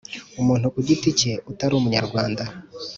umuntu ku giti cye utari umunyarwanda